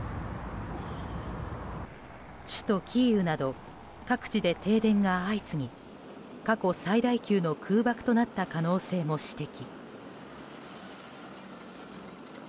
首都キーウなど各地で停電が相次ぎ過去最大級の空爆となった可能性も指摘。